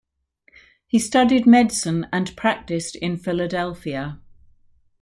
He studied medicine and practiced in Philadelphia.